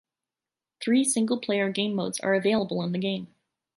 Three single player game modes are available in the game.